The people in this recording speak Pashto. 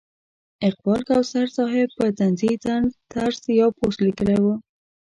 اقبال کوثر صاحب په طنزي طرز یو پوسټ لیکلی و.